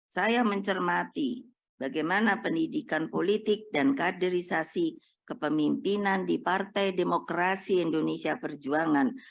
saya mencermati bagaimana pendidikan politik dan kaderisasi kepemimpinan di partai demokrasi indonesia perjuangan